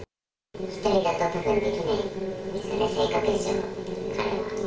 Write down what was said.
１人だとできないですよね、性格上、彼は。